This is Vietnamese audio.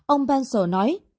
ông pencil nói